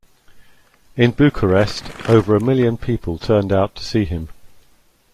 In Bucharest over a million people turned out to see him.